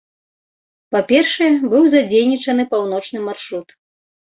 Па-першае, быў задзейнічаны паўночны маршрут.